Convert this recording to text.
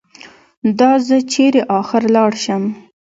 دا زه چېرې اخر لاړ شم؟